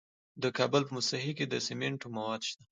د کابل په موسهي کې د سمنټو مواد شته.